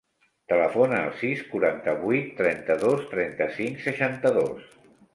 Telefona al sis, quaranta-vuit, trenta-dos, trenta-cinc, seixanta-dos.